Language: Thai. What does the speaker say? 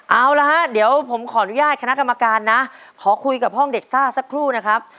เอาละฮะเดี๋ยวผมขออนุญาตคณะกรรมการนะขอคุยกับห้องเด็กซ่าสักครู่นะครับ